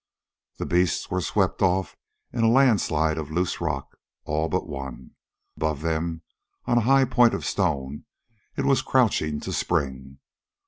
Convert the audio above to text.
The beasts were swept off in a landslide of loose rock all but one. Above them, on a high point of stone, it was crouching to spring.